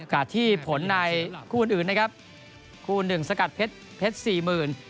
ที่ผลในคู่อื่นนะครับคู่หนึ่งสกัดเพชรเพชรสี่หมื่น